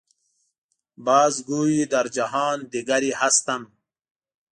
باز گوئی در جهان دیگری هستم.